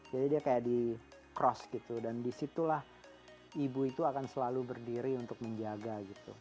jadi dia kayak di cross gitu dan disitulah ibu itu akan selalu berdiri untuk menjaga gitu